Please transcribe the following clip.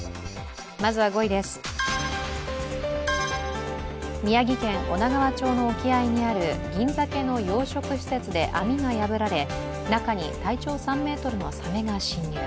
まずは５位です、宮城県女川町の沖合にある銀ざけの養殖施設で網が破られ、中に体長３ｍのサメが侵入。